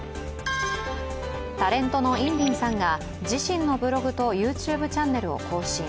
タレントのインリンさんが自身のブログとＹｏｕＴｕｂｅチャンネルを更新。